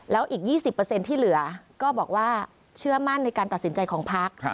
แล้วอีก๒๐ที่เหลือก็บอกว่าเชื่อมั่นในการตัดสินใจของพัก